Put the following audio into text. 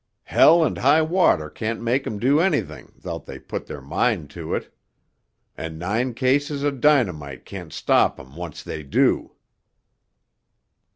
Hell and high water can't make 'em do anything 'thout they put their mind to it, and nine cases of dynamite can't stop 'em once they do."